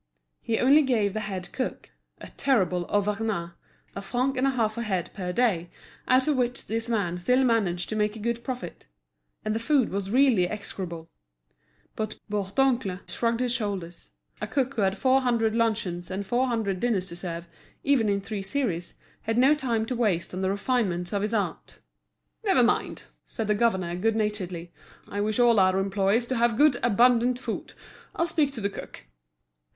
He only gave the head cook, a terrible Auvergnat, a franc and a half a head per day, out of which this man still managed to make a good profit; and the food was really execrable. But Bourdoncle shrugged his shoulders: a cook who had four hundred luncheons and four hundred dinners to serve, even in three series, had no time to waste on the refinements of his art. "Never mind," said the governor, good naturedly, "I wish all our employees to have good, abundant food. I'll speak to the cook."